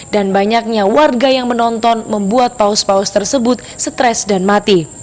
dan banyaknya warga yang menonton membuat paus paus tersebut stres dan mati